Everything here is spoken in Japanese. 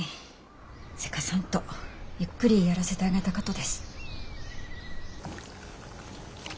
せかさんとゆっくりやらせてあげたかとです。